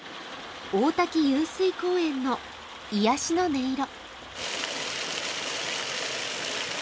大滝湧水公園の癒やしの音色。